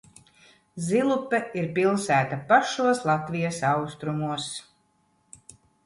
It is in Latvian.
Zilupe ir pilsēta pašos Latvijas austrumos.